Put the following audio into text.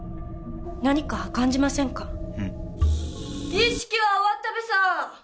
儀式は終わったべさ。